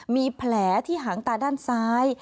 มีแผลที่หางตาด้านซ้าย